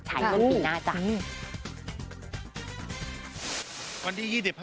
ฉายลงปีหน้าจ้ะ